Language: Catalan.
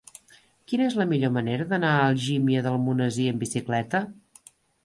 Quina és la millor manera d'anar a Algímia d'Almonesir amb bicicleta?